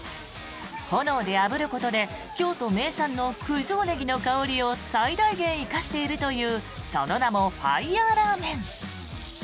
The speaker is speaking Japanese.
炎であぶることで京都名産の九条ネギの香りを最大限生かしているというその名もファイヤーラーメン。